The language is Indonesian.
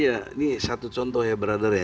iya ini satu contoh ya beredar ya